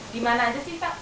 di mana aja sih pak